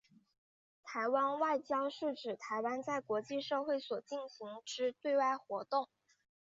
台湾外交是指台湾在国际社会所进行之对外活动。